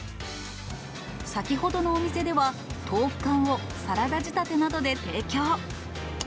先ほどのお店では、豆腐干をサラダ仕立てなどで提供。